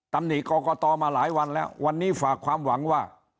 ตำหนิกรกตมาหลายวันแล้ววันนี้ฝากความหวังว่า